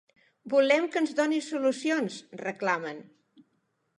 “Volem que ens doni solucions”, reclamen.